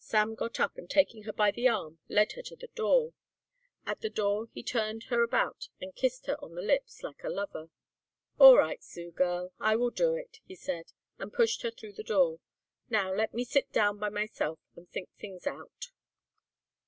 Sam got up and taking her by the arm led her to the door. At the door he turned her about and kissed her on the lips like a lover. "All right, Sue girl, I will do it," he said, and pushed her through the door. "Now let me sit down by myself and think things out."